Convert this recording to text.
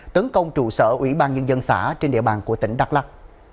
tấn công trụ sở ủy ban nhân dân xã trên địa bàn của tỉnh đắk lắc